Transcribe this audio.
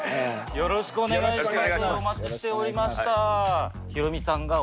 よろしくお願いします。